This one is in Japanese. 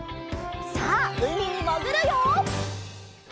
さあうみにもぐるよ！